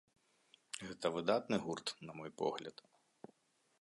Гэта выдатны гурт, на мой погляд.